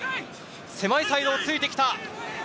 狭いサイドをついてきた。